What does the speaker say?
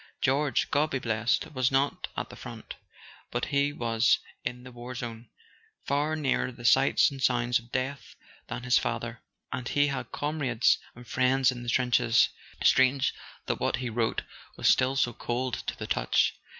George, God be praised, was not at the front; but he was in the war zone, far nearer the sights and sounds of death than his father, and he had comrades [ 134 ] A SON AT THE FRONT and friends in the trenches. Strange that what he wrote was still so cold to the touch.